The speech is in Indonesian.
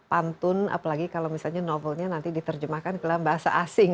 pantun apalagi kalau misalnya novelnya nanti diterjemahkan ke dalam bahasa asing